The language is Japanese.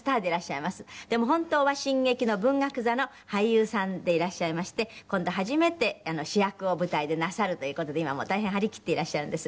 でも本当は新劇の文学座の俳優さんでいらっしゃいまして今度初めて主役を舞台でなさるという事で今もう大変張り切っていらっしゃるんです。